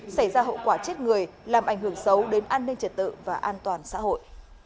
xảy ra hậu quả chết người làm ảnh hưởng xấu đến an ninh trật tự và an toàn xã hội